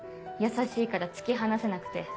優しいから突き放せなくて。